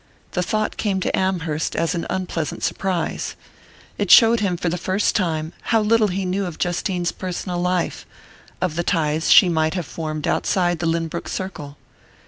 The thought came to Amherst as an unpleasant surprise. It showed him for the first time how little he knew of Justine's personal life, of the ties she might have formed outside the Lynbrook circle.